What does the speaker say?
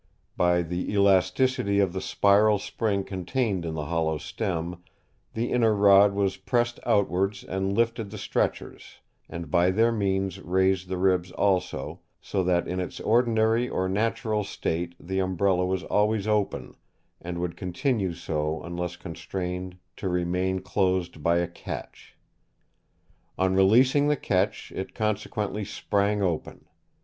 By the elasticity of the spiral spring contained in the hollow stem, the inner rod was pressed outwards and lifted the stretchers, and by their means raised the ribs also, so that in its ordinary or natural state the umbrella was always open, and would continue so unless constrained to remain closed by a catch. On releasing the catch it consequently sprang open.